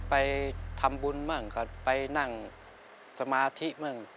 ไปทำบุญบ้างก็ไปนั่งสมาธิมั่ง